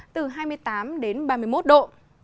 từ hai mươi tám đến ba mươi một độ